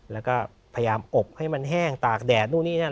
แล้วก็พยายามอบให้มันแห้งตากแดดนู่นนี่นั่น